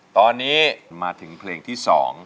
ตอนนี้มาถึงเพลงที่๒